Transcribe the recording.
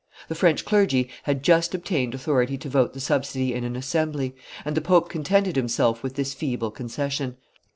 The French clergy had just obtained authority to vote the subsidy in an assembly; and the pope contented himself with this feeble concession.